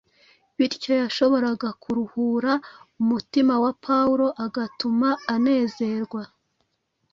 bityo yashoboraga kuruhura umutima wa Pawulo agatuma anezerwa